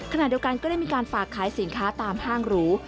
ขณะเดียวกันก็ได้มีการฝากขายสินค้าตามห้างหรู